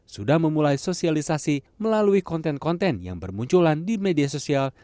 sudah memulai sosialisasi melalui konten konten yang bermunculan di media sosial